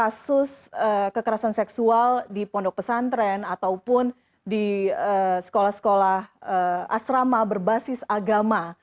kasus kekerasan seksual di pondok pesantren ataupun di sekolah sekolah asrama berbasis agama